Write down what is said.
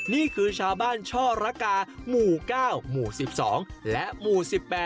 นี่คือชาวบ้านช่อระกาหมู่๙หมู่๑๒และหมู่๑๘